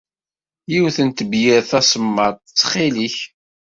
Yiwet n tebyirt tasemmaḍt, ttxil-k!